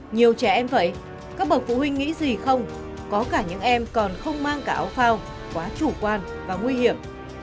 nhiều trẻ em vậy các bậc phụ huynh nghĩ gì không có cả những em còn không mang cả áo phao quá chủ quan và nguy hiểm